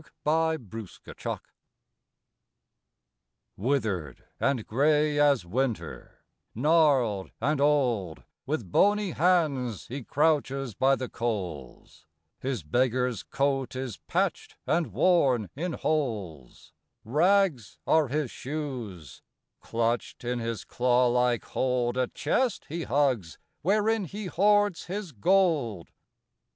THE MISER Withered and gray as winter; gnarled and old, With bony hands he crouches by the coals; His beggar's coat is patched and worn in holes; Rags are his shoes: clutched in his claw like hold A chest he hugs wherein he hoards his gold.